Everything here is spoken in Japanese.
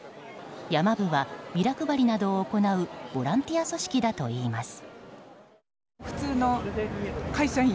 ＹＡＭＡ部はビラ配りなどを行うボランティア組織だといいます。